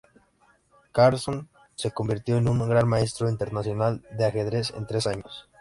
Carlsson se convirtió en un Gran Maestro Internacional de Ajedrez en tres años.